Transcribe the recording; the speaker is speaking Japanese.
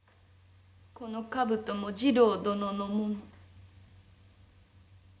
この兜も次郎殿のもの。